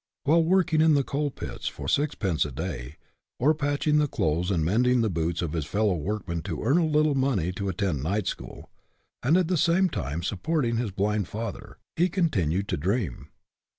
While working in the coal pits for sixpence a day, or patching the clothes and mending the boots of his fellow workmen to earn a little money to attend a night school, and at the same time supporting his blind father, he continued to dream.